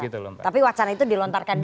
tapi wacana itu dilontarkan dulu